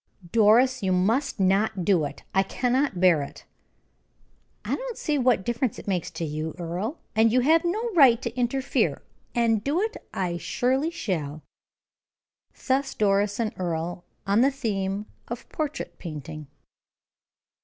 "Doris, you must not do it. I cannot bear it!" "I don't see what difference it makes to you, Earle, and you have no right to interfere, and do it I surely shall." Thus Doris and Earle on the theme of portrait painting.